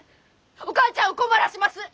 お母ちゃんを困らします！